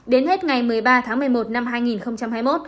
đến hết ngày một mươi ba tháng một mươi một năm hai nghìn hai mươi một